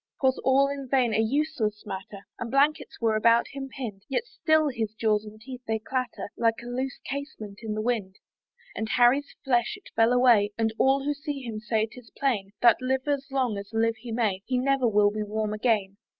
'Twas all in vain, a useless matter, And blankets were about him pinn'd; Yet still his jaws and teeth they clatter, Like a loose casement in the wind. And Harry's flesh it fell away; And all who see him say 'tis plain, That, live as long as live he may, He never will be warm again.